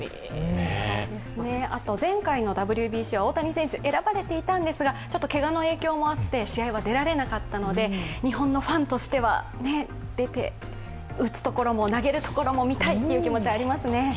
前回のＷＢＣは大谷選手選ばれていたんですがちょっとけがの影響もあって試合に出られなかったので日本のファンとしては、出て、打つところも投げるところも見たいという気持ちはありますね。